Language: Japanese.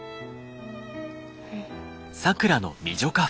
うん。